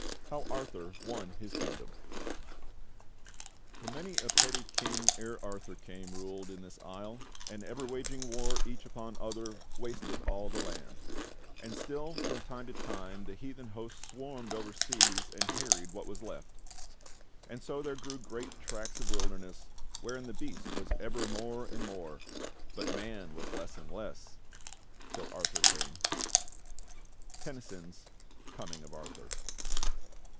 II 3'fow ^rtl)ur ^on 3'fis TKin 96 om "For many a petty king ere Arthur came Ruled in this isle, and ever waging war Each upon other, wasted all the land; And still from time to time the heathen host Swarm'd overseas, and harried what was left. And so there grew great tracts of wilderness. Wherein the beast was ever more and more. But man was less and less, till Arthur came." Tennyson's "Coming of Arthur."